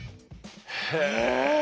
へえ。